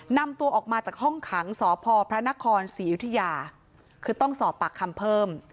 นำตัวออกมาจากห้องขังสพพระนครศรีอยุธยาคือต้องสอบปากคำเพิ่ม